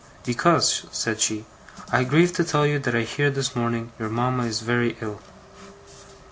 'Because,' said she, 'I grieve to tell you that I hear this morning your mama is very ill.